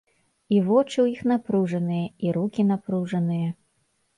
І вочы ў іх напружаныя, і рукі напружаныя.